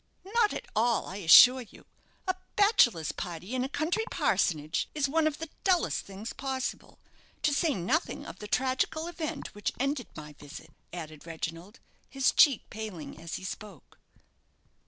"Not at all, I assure you. A bachelors' party in a country parsonage is one of the dullest things possible, to say nothing of the tragical event which ended my visit," added Reginald, his cheek paling as he spoke.